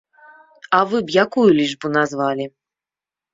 А вы б якую лічбу назвалі?